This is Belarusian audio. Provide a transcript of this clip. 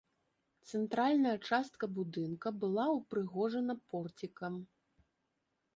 Цэнтральная частка будынка была ўпрыгожана порцікам.